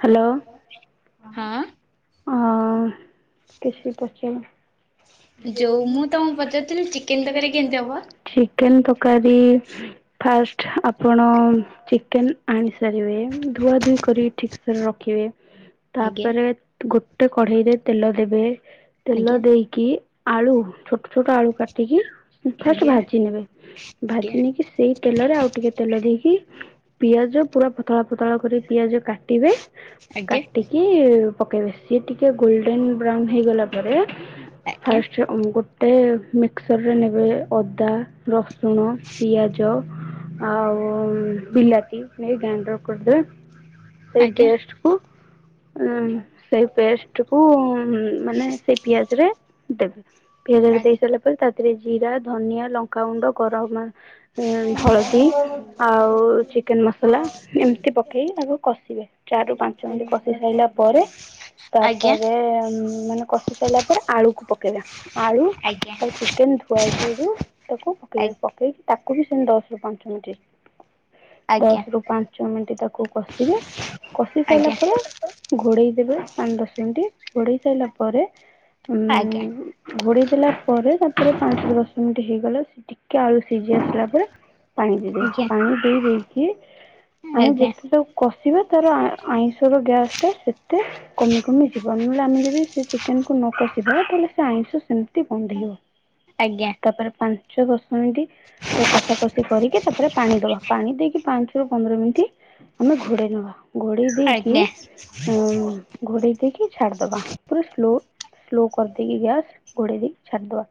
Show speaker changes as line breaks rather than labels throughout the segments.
Hello,
ହଁ
ହଁ [unintelligible]
ଯୋଉ ମୁଁ ତମକୁ ପଚାରୁଥିଲି ଚିକେନ ତରକାରୀ କେମିତି ହବ?
ଚିକେନ୍ ତକାରୀ ଫାଷ୍ଟ ଆ ପଣ ଚିକେନ୍ ଆଣିସାରିବେ ଧୁଆ ଧୁଇ କରି ଠିକ୍ସରେ ରଖିବେ।
ଆଜ୍ଞା
ତାପରେ ଗୋଟେ କଢ଼େଇରେ ତେଲ ଦେବେ, ତେଲ
ଆଜ୍ଞା
ଦେଇକି ଆଳୁ ଛୋଟ-ଛୋଟ ଆଳୁ କାଟିକି ଫାଷ୍ଟ
ଆଜ୍ଞା
ଭାଜି ନେବେ, ଭାଜି ନେଇକି ସେଇ ତେଲରେ ଆଉ ଟିକେ ତେଲ ଦେଇକି ପିଆଜ ପୁରା ପତଳା-ପତଳା କରି ପିଆଜ କାଟିବେ।
ଆଗ୍ୟା।
କି ପକେଇବେ, ସିଏ ଟିକେ ଗୋଲ୍ଡେନ ବ୍ରାଉନ୍ ହେଇଗଲା ପରେ
ଆଜ୍ଞା
ଫାଷ୍ଟ ଗୋଟେ ମିକ୍ସରରେ ନେବେ ଅଦା ରସୁଣ, ପିଆଜ ଆଉ ବିଲାତି ନେଇ ଗାଇଣ୍ଡର କରିଦେବେ, ସେଇ
ଆଜ୍ଞା
ପେଷ୍ଟ କୁ ଉଁ ସେଇ ପେଷ୍ଟକୁ ଉଁ ମାନେ ସେଇ ପିଆଜ ରେ ଦେବେ, ପିଆଜ ରେ ଦେଇ ସାରିଲା ପରେ ତାଦେରେ ଜିରା, ଧନିଆ, ଲଙ୍କାଗୁଣ୍ଡ, ଗରମ ମ ଉଁ ହଳଦୀ ଆଉ ଚିକେନ୍ ମସଲା ଏମ୍ତି ପ କେଇ ତାକୁ କଷିବେ ଚାରି ରୁ ପାଞ୍ଚ ମୀନଟି କଷି ସାଇଲା ପରେ
ଆଜ୍ଞା ଆଜ୍ଞା
ତାପରେ ମାନେ କଷି ସାଇଲା ପରେ ଆଳୁକୁ ପକେଇବା। ଆଳୁ
ଆଜ୍ଞା
ଆଉ ଚିକେନ ଧୁଆ ହେଇଥିବ ଯୋଉ ତାକୁ ପକେଇବେ ପକେଇକି ତା କୁ ବି ସେମତି ଦଶରୁ ପାଞ୍ଚ ମିଟି
ଆଜ୍ଞା
ଦଶ ରୁ ପାଞ୍ଚ ମିନଟି ତାକୁ କଷିବେ କଷି
ଆଜ୍ଞା।
ସାଇଲା
ଆଜ୍ଞା
ପରେ ଘୋଡେଇ ଦେବେ ପାନ ଦଶ ମିନଟି ଘୋଡେଇ ସାଇଲା ପରେ
ଆଗ୍ୟା।
ଘୋଡେଇ ଦେଲା ପରେ ତାପରେ ପାଞ୍ଚ ରୁ ଦଶ ମିନିଟ୍ ହେଇଗଲେ ଟିକେ ଆଳୁ ସିଝି ଆସିଲା ପରେ ପାଣି ଦେଇଦେବେ, ପାଣି ଦେଇ ଦେଇକି ଆମେ ଯେତେ
ଆଜ୍ଞା
ସ କଷିବା ତାର ଆ ଆଇଁଷର ଗ୍ୟାସ୍ ଟା ସେତେ କମି କମି ଯିବ ନଲେ ଆମେ ଯଦି ସେ ଚିକେନ କୁ ନ କସିବା ତାଲେ ଆଇଁଷ ସେମିତି ଗନ୍ଧେଇବ ତାପରେ ପାଞ୍ଚ ଦଶ ମିନିଟ୍ ତ କଷା କଷି କରିକି ତାପରେ ପାଣି ଦବା ପାଣି ଦେଇକି ପାଞ୍ଚ ରୁ ପନ୍ଦର ମିନିଟ୍ ଆମେ ଘୋଡେଇ ନବା ଘୋଡେଇ ଦେଇକିଉଁ
ଆଜ୍ଞା ଆଜ୍ଞା।
ଘୋଡେଇ ଦେଇକି ଛାଡିଦବା ପୁରା ସ୍ଲୋ ସ୍ଲୋ କର କି ଗ୍ୟାସ ଘୋଡ଼େଇ ଦେଇକି ଛାଡିଦବା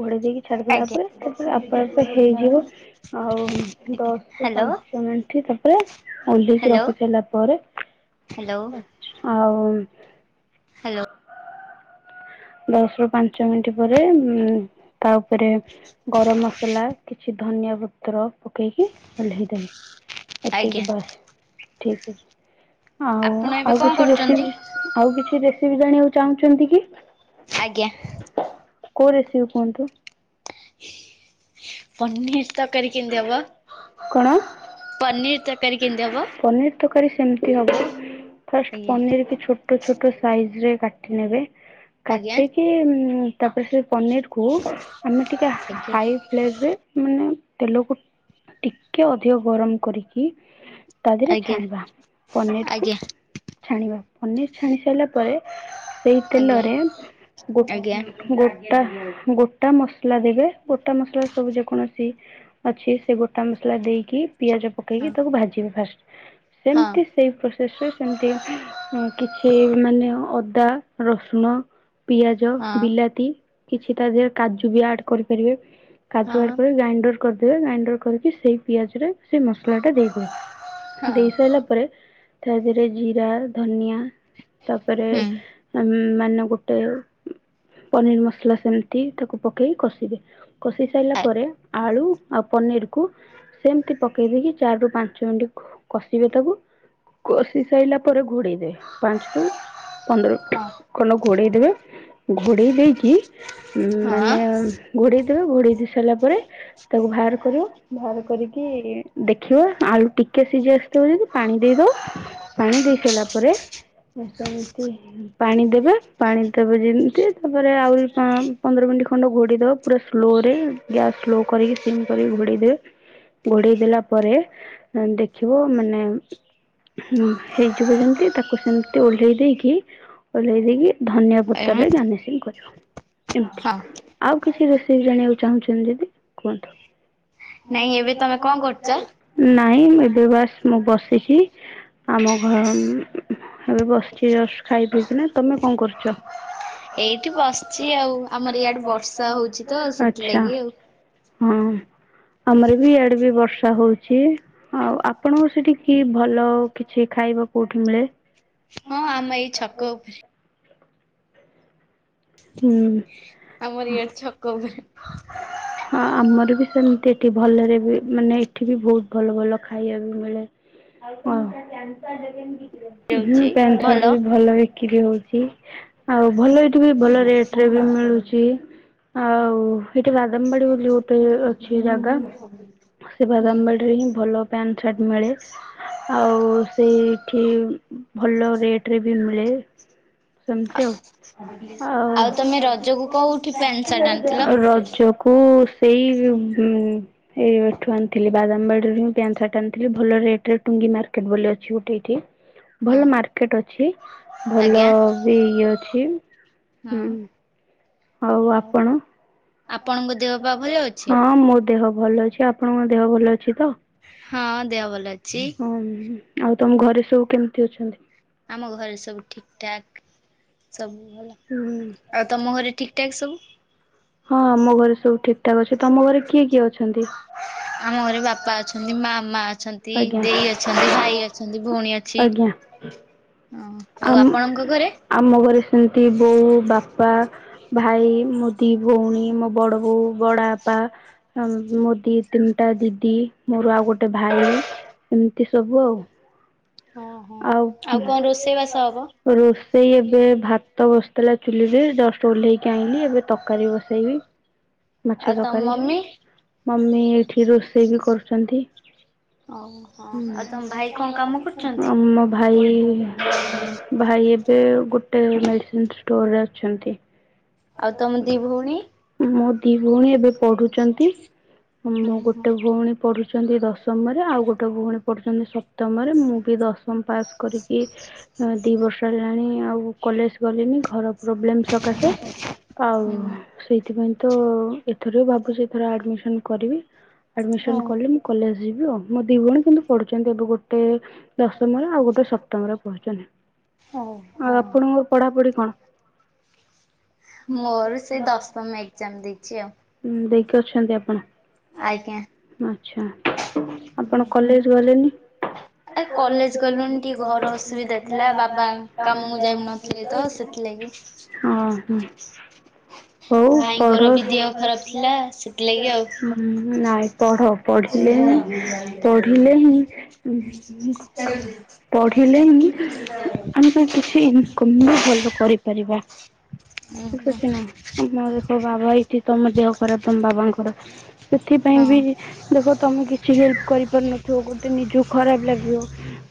ଘୋଡ଼େ ଦେଇକି ଛାଡିଦେଲା
ଆଜ୍ଞା
ପରେ ତାପରେ ଆପେ ଆପେ ହେଇଯିବ। ଆଉ ଦଶ ରୁ
ହ୍ୟାଲୋ
ପାଞ୍ଚ ମିନଟି ତାପରେ ଓହ୍ଲେଇକି
ହ୍ୟାଲୋ
ରଖି ସାଇଲା ପରେ
ହ୍ୟାଲୋ
ଆଉ
ହ୍ୟାଲୋ।
ଦଶ ରୁ ପାଞ୍ଚ ମିନଟି ପରେ ଉଁ ତା ଉପରେ ଗରମ ମସଲା କିଛି ଧନିଆ ପତ୍ର ପକେଇକି ଓହ୍ଲେଇ ଦେଲେ। ଏତିକି
ଆଜ୍ଞା।
ବାସ୍ ଠିକ ଅଛି ଆଉ
ଆପଣ ଏବେ
ଆଉ
କଣ
କିଛି
କରୁଛନ୍ତି?
ରେସିପି ଆଉ କିଛି ରେସିପି ଜାଣିବାକୁ ଚାହୁଁଚନ୍ତି କି?
ଆଜ୍ଞା।
କୋଉ ରେସିିପି କୁହନ୍ତୁ।
ପନିହିର ତକାରୀ କେମିତି ହବ?
କଣ,
ପନିର ତରକାରୀ କେମିତି ହବ?
ପନିର ତକାରୀ ସେମିତି ହବ। ଫାଷ୍ଟ
ଆଜ୍ଞା
ପନିର କି ଛୋଟ ଛୋଟ ସାଇଜ ରେ କାଟି ନେବେ
ଆଜ୍ଞା
କାଟିକି ଉଁ ଉଁ ତାପରେ ସେ ପନିରକୁ ଆମେ ଟିକେ ହାଇ
ଆଜ୍ଞା
ପ୍ଲେଟରେ ମାନେ ତେଲକୁ ଟିକେ ଅଧିକ ଗରମ କରିକି ତା ଦେଏରେ
ଆଜ୍ଞା
ଛାଣିବା ପନିରକୁ
ଆଜ୍ଞା
ଛାଣିବା। ପନିର ଛାଣି ସାଇଲା ପରେ ସେଇ
ଆଜ୍ଞା।
ତେଲରେ ଗୋ
ଆଜ୍ଞା
ଗୋ ଗୋଟା ଗୋଟା ମସଲା ଦେବେ ଗୋଟା ମସ ଟା ସବୁ ଯେକୌଣସି ଅଛି ସେ ଗୋଟା ମସଲା ଦେଇକି ପିଆଜ
ହଁ
ପକେଇକି ତାକୁ ଭାଜିବେ ଫାଷ୍ଟ
ହଁ
ସେମତି ସେଇ ପ୍ରୋସେସ ରେ ସେମିତି ଉଁ କିଛି ମାନେ ଅଦା ରସୁଣ ପିଆଜ
ହଁ
ବିଲାତି କିଛି ତା ଦେହରେ କାଜୁ ବି ଆଡ କରିପାରିବେ। କାଜୁ ଆଡ
ହଁ
କରି ଗ୍ରାଇଣ୍ଡର କରିଦେବେ ଗ୍ରାଇଣ୍ଡର କରିକି ସେଇ ପିଆଜ ରେ ସେ ମସଲା ଟା ଦେଇଦେବେ
ହଁ
ଦେଇ ସାଇଲା ପରେ ତା ଦେହରେ ଜିରା ଧନିଆ ତାପରେ
ହୁଁ
ଉଁ ମାନ ଗୋଟେ ପନିର ମସଲା ସେମିତି ତାକୁ ପକେଇ କଷିବେ କଷି ସାଇଲା
ଏ
ପରେ ଆଳୁ ଆଉ ପନିର କୁ ସେମତି ପକେଇ ଦେଇକି ଚାରି ରୁ ପାଞ୍ଚ ମିନିଟ କଷିବେ ତାକୁ। କସି ସାଇଲା ପରେ ଘୋଡେଇ ଦେବେ ପାଞ୍ଚରୁ ପନ୍ଦର
ହଁ
ଖଣ୍ଡ ଘୋଡେଇ ଦେବେ। ଘୋଡ଼େଇ ଦେଇକି
ହଁ
ମାନେ ଘୋଡ଼େଇ ଦେବେ ଘୋଡ଼େଇ ଦେଇ ସାରିଲା ପରେ ତାକୁ ଭାଆର କରିବ ଭାଆର କରିକି ଦେଖିବା ଆଳୁ ଟିକେ ସିଝି ଆସିଥିବ ଯଦି ପାଣି ଦେଇଦବା ପାଣି ଦେଇ ସାରିଲା ପରେ ଓ ସେମତି ପାଣି ଦେବେ ପାଣି ଦେବେ ଯେମିତି ତାପରେ ଆଉରି ପଁ ପନ୍ଦର ମିନିଟ ଖଣ୍ଡେ ଘୋଡେଇ ଦବ ପୁରା ସ୍ଲୋରେ ଗ୍ୟାସ୍ ସ୍ଲୋ କରିକି ସିମ୍ କରିକି ଘୋଡେଇ ଦେବେ ଘୋଡେଇ ଦେଲା ପରେ ଆଁ ଦେଖିବୁ ମାନେ ହଁ ହେଇଯିବ ଯେମତି ତାକୁ ସେମତି ଓହ୍ଲେଇ ଦେଇକି ଓହ୍ଲେଇ ଦେଇକି ଧନିଆ
ଏ ହଁ
ପତ୍ରରେ ଗାର୍ନିସିଂ କରିବଏମିତି।
ହଁ
ଆଉ କିଛି ରୋଷେଇ ଜାଣିବାକୁ ଚାହୁଁଛ ନ୍ତି ଯଦି କୁହନ୍ତୁ।
ନାଇଁ ଏବେ ତମେ କଣ କରୁଛ?
ନାଇଁ ମୁଁ ଏବେ ବାସ୍ ମୁଁ ବସିଚ। ଆମ ଘର ଉଁ ଏବେ ବସିଚି ଜଷ୍ଟ ଖାଇ ପିଇକିନା ତମେ କଣ କରୁଚ?
ଏଇଠି ବସିଛି ଆଉ ଆମର ଇଆଡେ ବର୍ଷା ହଉଛି ତ
ଆଚ୍ଛା
ସେଥିଲାଗି ଆଉ
ହଁ ଆମର ବି ଇଆଡେ ବି ବର୍ଷା ହୋଉ ଛି ଆଉ ଆପଣଙ୍କୁ ସେଠି କି ଭଲ କିଛି ଖାଇବା କୋଉଠି ମିଳେ?
ହଁ ଆମେ ଏଇ ଛକ ଉପ
ହୁଁ
ଆମର ଇଆଡେ ଛକ ଉପରେ
ହଁ ଆମର ବି ସେମିତି ଏଠି ଭଲରେ ବି ମାନେ ଏଠି ବି ବୋହୁତ ଭଲ ଭଲ ଖାଇବା ବି ମିଳେ। ହୁଁ ପ୍ୟାଣ୍ଟ୍ ସାର୍ଟ ବି ଭଲ ହେ କିରୀ ହୋଉଚି। ଆଉ ଭଲ ଏଇଠି ବି ଭଲ ରେଟ୍ ରେ ବି ମିଳୁ ଚି ଆଉ ଏଇଠି ବାଦାମବାଡି ବୋଲି ଗୋଟେ ଅଛି ଜାଗା ସେ
ହୁଁ
ବାଦାମବାଡିରେ ହିଁ ଭଲ ପ୍ୟାଣ୍ଟ ସାର୍ଟ ମିଳେ। ଆଉ ସେ ଠି ଭଲ ରେଟ୍ ରେ ବି ମିଳେ। ସେମିତି ଆଉ
ତମେ ରଜକୁ କୋଉଠି ପ୍ୟାଣ୍ଟ ସାର୍ଟ ଆଣିଥିଲ?
ର ରଜକୁ ସେଇ ଉଁ ଏ ଠୁ ଆଣିଥିଲି ବାଦାମବାଡିରୁ ହିଁ ପ୍ୟାଣ୍ଟ୍ ସାର୍ଟ ଆଣିଥିଲି ଭଲ ରେଟ୍ ରେ ଟୁଙ୍ଗି ମାର୍କେଟ୍ ବୋଲି ଅଛି ଗୋଟେ ଏଇଠି।
ହଁ
ଭଲ ମାର୍କେଟ ଅଛି। ଭଲ
ଆଜ୍ଞା
ବି ଇଏ ଅଛି ହୁଁ।
ହଁ
ଆଉ
ହଉ
ଆପଣ
ଆପଣଙ୍କ ଦେହ ପା ଭଲ ଅଛି?
ହଁ ମୋ ଦେହ ଭଲ ଅଛି, ଆପଣଙ୍କ ଦେହ ଭଲ ଅଛି ତ?
ହଁ ଦେହ ଭଲ ଅଛି।
ଉଁ ହୁଁ ଆଉ ତମ ଘରେ ସବୁ କେମିତି ଅଛନ୍ତି?
ଆମ ଘରେ ସବୁ ଠିକ୍ ଠାକ୍ ସବୁ ଭଲ।
ହୁଁ
ଆଉ ତମ ଘରେ ଠିକ୍ ଠାକ୍ ସବୁ?
ହଁ ଆମ ଘରେ ସବୁ ଠିକ୍ ଠାକ୍ ଅଛି। ତମ ଘରେ କିଏ କିଏ ଅଛନ୍ତି?
ଆମ ଘରେ ବାପା ଅଛନ୍ତି ମାମା ଅଛନ୍ତ ଦି
ଆଜ୍ଞା
ଦି ଅଛନ୍ତି ଭାଇ ଅଛନ୍ତି ଭୋଉଣୀ ଅଛି।
ଆଜ୍ଞା ଆମ
ଆଉ ଆପଣଙ୍କ ଘରେ?
ଆମ ଘରେ ସେମତି ବୋଉ ବାପା ଭାଇ ମୋ ଦି ଭୋଉଣୀ ମୋ ବଡ ବୋଉ ବଡ ବାପା ସମ ମୋ ଦି ତିନିଟା ଦିଦି ମୋର ଆଉ ଗୋଟେ ଭାଇ ଏମିତି ସବୁ ଆଉ।
ଅଁ ହଁ ଆଉ କଣ ରୋଷେଇ ବାସ ହବ?
ରୋଷେଇ ଏବେ ଭାତ ବସିଥିଲା ଚୁଲିରେ ଜଷ୍ଟ ଓଲ୍ଲେଇ କି ଆଣିଲି ଏବେ ତରକାରୀ ବସେଇବି ମାଛ
ଆଉ ତମ
ତରକାରୀ।
ମମି?
ମମି ଏଇଠି ରୋଷେଇ ବିି କରୁଚନ୍ତି।
ଓହୋ ଆଉ ତମ ଭାଇ କଣ କାମ କରୁଚନ୍ତି?
ମୋ ଭାଇ ଭାଇ ଏବେ ଗୋଟେ ମେଡିସିନ ଷ୍ଟୋର ରେ ଅଛନ୍ତି।
ଆଉ ତମ ଦି ଭଉଣି?
ମୋ ଦି ଭଉଣୀ ଏବେ ପଢୁଛନ୍ତି ମୋ
ଓହୋ
ଗୋଟେ ଭଉଣୀ ପଢୁଛନ୍ତି ଦଶମରେ ଆଉ ଗୋଟେ ଭଉଣୀ ପଢୁଛନ୍ତି ସପ୍ତମରେ। ମୁଁ ବି ଦଶମ ପାସ୍ କରିକି ଉଁ ଦି ବର୍ଷ ହେଲାଣି ଆଉ କଲେଜ୍ ଗଲିନି ଘର ପ୍ରୋବ୍ଲେମ ସକାଶେ। ଆଉ
ହୁଁ
ସେଇଥିପାଇଁ ତ ଏଥର ବି ଭାବୁଛି ଏଥର ଆଡମିସନ କରିବି। ଆଡମିସନ
ହଉ
କଲେ ମୁଁ କଲେଜ ଯିବି ଆଉ ମୋ ଦି ଭଉଣୀ କିନ୍ତୁ ପଢୁଛନ୍ତି ଏବେ ଗୋଟେ ଦଶମରେ ଆଉ ଗୋଟେ ସପ୍ତମରେ ପଢୁଚନୀ।
ହଉ
ଆଉ
ହଉ।
ଆପଣଙ୍କ ପଢାପଢି କଣ?
ମୋର ସେଇ ଦଶମ ଏକ୍ଜାମ ଦେଇଛି ଆଉ।
ହୁଁ ଦେଇକି ଅଛନ୍ତି ଆପଣ?
ଆଜ୍ଞା।
ଆଚ୍ଛା ଆପଣ କଲେଜ୍ ଗଲେନି?
ଏ
କଲେଜ
ଗଲୁଣି
ଗଲିନି
ଟିକେ ଘର ଅସୁବିଧା
[unintelligible]
ଥିଲା
ବାବା କାମକୁ
ଯାଉନଥିଲେ
ଯାଇନଥିଲେତ
ତ ସେଥିଲାଗି।
[unintelligible] ଓ ହୋ।
ଭାଇଙ୍କର ବି ଦେହ ଖରାପ ଥିଲା ସେଥିଲାଗି ଆଉ।
ହୁଁ ନାଇଁ ପଢ। ପଢିଲେ ହି ପଢିଲେ ହିଁ ଉଁ [unintelligible] ପଢିଲେ ହିଁ ଆମେ ବି କିଛି ଇନକମ ବି ଭଲ କରିପାରିବା। ଠିକ
ଓହୋ
ଅଛି ନା ଦେଖ ବାବା ଏଇଠି ତମ ଦେହ ଖରାପ ତମ ବାବାଙ୍କର। ସେଥିପାଇଁ
ହଁ
ବି ଦେଖ ତମେ କିଛି ହେଲ୍ପ କରିପାରୁନଥିବ ଗୋଟେ ନିଜକୁ ଖରାପ ଲାଗିବ।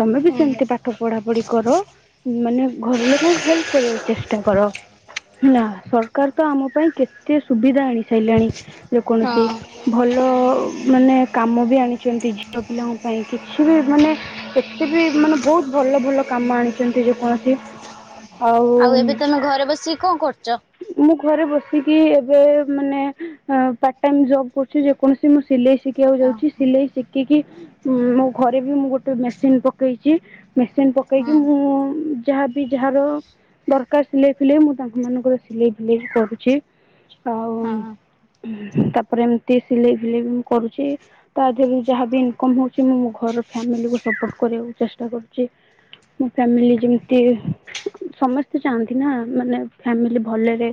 ତମେ ବି
ହୁଁ।
ସେମିତି ପାଠ ପଢା ପଢି କର ମାନେ ଘର ଲୋକଙ୍କୁ ହେଲ୍ପ କରିବାକୁ ଚେଷ୍ଟା କର। ନା ସରକାର ତ ଆମ ପାଇଁ କେତେ ସୁବିଧା ଆଣି ସାରିଲାଣି। ଯେକୌଣସି
ହଁ
ଭଲ ମାନେ କାମ ବି ଆଣିଛନ୍ତି ଝିଅ ପିଲା ପାଇଁ କିଛି ବି ମାନେ ଏତେ ବି ମାନେ ବହୁତ ଭଲ ଭଲ କାମ ଆଣିଛନ୍ତି ଯେକୌଣସି
ଆଉ ଏବେ ତମେ ଘରେ ବସିକି କଣ କରୁଚ?
ମୁଁ ଘରେ ବସିକି ଏବେ ମାନେ ପାର୍ଟ ଟାଇମ ଜବ କ ଯେକୌଣସି ମୁଁ ସିଲେଇ ଶିଖିବାକୁ
ହଁ
ଯାଉଛି ସିଲେଇ ଶିଖିକି ମୋ ଘରେ ବି ମୁଁ ଗୋଟେ ମେସିନ ପକେଇଛି ମେସିନ ପକେଇ। କହିକି
ହଁ
ମୁଁ ଯାହାବି ଯାହାର ଦରକାର ସିଲେଇ ପିଲେଇ ମୁଁ ତାଙ୍କ ମାନଙ୍କର ସିଲେଇ ବିଲେଇ କରୁଛି।
ହଁ
ଆଉ ତାପରେ ଏମତି ସିଲେଇ ଫିଲେଇ ମୁ କରୁଛି। ତା ଦେହରେ ଯାହାବ ଇନ ହଉଛି ମୁଁ ଫୋ କରିବାକୁ ଚେଷ୍ଟ କରୁଛି। ମୁଁ କାଲି ଯେମିତି ସମସ୍ତେ ଚାହାନ୍ତି ନା ମାନେ ଫ୍ୟାମିଲି ଭଲରେ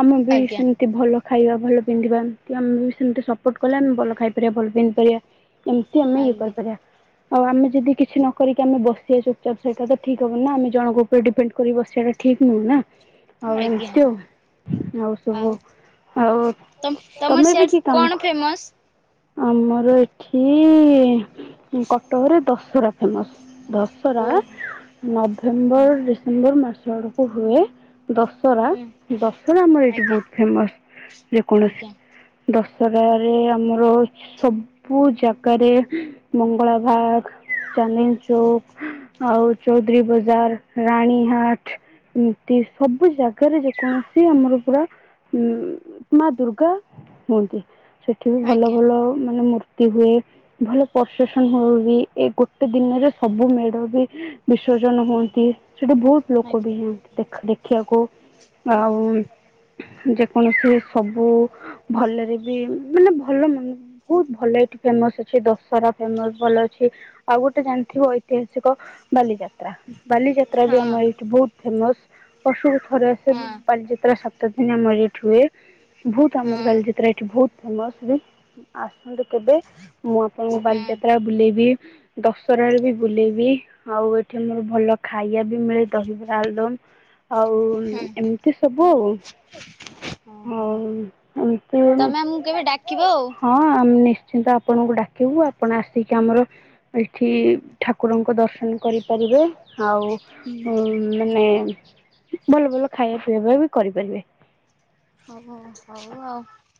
ଆମ ବି
ଆଜ୍ଞା
ସେମତି ଟେ ଭଲ ଖାଇବା ଭଲ ପିନ୍ଧିବା ଆମ ବି ସେମତି ସପୋର୍ଟ କଲେ ଆମେ ଭଲ ଖାଇପାରିବା ଭଲ ପିନ୍ଧି ପାରିବା। ଏମିତି ଆମେ ଇଏ
ଆଜ୍ଞା
କରିପାରିବା। ଆଉ ଆମେ ଯଦି କିଛି ନ କରିକି ଆମେ ବସିବା ଚୁପଚାପ ସେଇଟା ତ ଠିକ୍ ହବନ ନା ଆମେ ଜଣଙ୍କ ଉପରେ ଡିପେଣ୍ଡ କରି ବସିବା ଟା ଠିକ୍ ନୁହଁ ନା ଆଉ
ଆଜ୍ଞା।
ଏମତି ଆଉ ଆଉ ସବୁ ଆଉ
ତମ୍ ତମ
ତମେ ବି
ସିଆଡ଼େ
କି କାମ
କଣ ଫେମସ୍?
ଆମର ଏ ଠି କଟକରେ ଦଶହରା ଫେମସ୍
ଓ
ଦଶରା ନଭେମ୍ବର୍ ଡିସେମ୍ବର୍ ମାସ ଆଡ଼ୁକୁ ହୁଏ ଦଶ୍ ଶରା
ହୁଁ
ଦଶରା ଆମର ଏଇଠି
ଆଜ୍ଞା ଆଜ୍ଞା
ବହୁତ ଫେମସ୍ ଯେକୌଣସି। ଦଶରାରେ ଆମର ସବୁ ଜା କାରେ ମଙ୍ଗଳା ଭାଗ ଚାନ୍ଦିନି ଚୌକ୍ ଆଉ ଚୌଧୁରୀ ବଜାର ରାଣୀହାଟ୍ ଏମତି ସବୁ ଜାଗାରେ ଯେକୌଣସି ଆମର ପୁରା ଉଁ ମା ଦୁର୍ଗା ହୁଅନ୍ତି ସେଠି ବି ଭଲ
ଆଜ୍ଞା
ଭଲ ମାନେ ମୂର୍ ତି ହୁଏ। ଭଲ ପରସେନ୍ ହୁଅ ଏଇ ଗୋଟେ ଦିନରେ ସବୁ ମେଢ଼ ବି ବିସର୍ଜନ ହୁଅନ୍ତି। ସେଠି ଭୋଉତ ଲୋକ
ଆଜ୍ଞା।
ବି ହୁଅନ୍ତି ଦେଖ୍ ଦେଖିଆକୁ
ହଁ ହଁ
ଆଉ ଯେକୌଣସି ସବୁ ଭଲରେ ବି ମାନେ ଭଲ ମଁ ଭୋଉତ୍ ଭଲ ଏଠି ଫେମସ୍ ଅଛି ଦଶରା ଫେମସ୍ ଭଲ ହିମାଂଶୁ ଆଉ ଗୋଟେ ଜାଣିଥିବ ଐତିହାସିକ ବାଲିଯାତ୍ରା। ବାଲିଯାତ୍ରା ବି ଆମ ଏଇଠି ଭୋଉତ୍ ଫେମସ୍ ବର୍ଷୁକୁ ଥରେ ଆସେ ବାଲିଯାତ୍ରା ସା ତ ଥିନି ଆମ ଏରି ଏଠି ହୁଏ ଭୋଉତ୍ ଆମର
ହଁ
ବାଲିଚିତ୍ରା ଏଠି ଭୋଉତ୍ ଫେମସ୍ ଯେ। ଆସନ୍ତୁ କେବେ ମୁଁ ଆପଣଙ୍କୁ ବାଲିଯାତ୍ରା ବୁଲେଇବି। ଦଶରାରେ ବି ବୁଲେଇବି ଆଉ ଏଠି ଆମର ଭଲ ଖାଇବା ବି ମିଳେ ଦହିବରା ଆଳୁଦମ୍। ଆଉ ଏମିତି ସବୁ ଆଉ।
ଓଃ।
ହଉ ଏମତି
ଆମକୁ କେବେ ଡାକିବ ଆଉ।
ହଁ ଆମ୍ ନି ଶ୍ଚିନ୍ତ ଆପଣଙ୍କୁ ଡାକିବୁ ଆପଣ ଆସିକି ଆମର ଏଠି ଠାକୁରଙ୍କ ଦର୍ଶ ହେନି କରିପାରିବେ ଆଉ
ହୁଁ।
ଉଁ ମାନେ ଭଲ ଭଲ ଖାଇବା ପିଇବା ବି କରିପାରିବେ।
ହୋଉ ହଉ ଆଉ।